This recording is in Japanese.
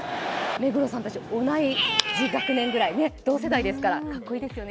目黒さんたち、同じ学年くらい同世代ですから格好いいですよね。